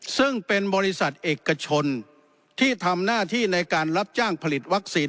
ซึ่งเป็นบริษัทเอกชนที่ทำหน้าที่ในการรับจ้างผลิตวัคซีน